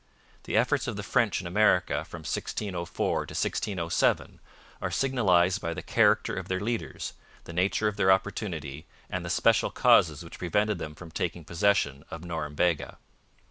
The efforts of the French in America from 1604. to 1607 are signalized by the character of their leaders, the nature of their opportunity, and the special causes which prevented them from taking possession of Norumbega.